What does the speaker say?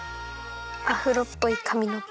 アフロっぽいかみのけ。